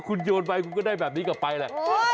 คุณโยนไปคุณก็ได้แบบนี้กลับไปแหละ